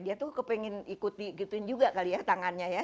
dia tuh kepengen ikutin juga kali ya tangannya ya